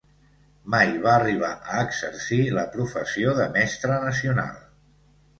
Mai va arribar a exercir la professió de mestra nacional.